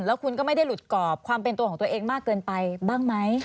แล้วคุณก็ไม่ได้หลุดกรอบความเป็นตัวของตัวเองมากเกินไปบ้างไหม